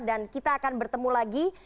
dan kita akan bertemu lagi